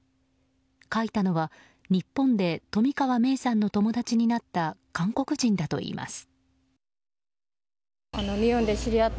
書いたのは日本で冨川芽生さんの友達になった韓国人だといいます。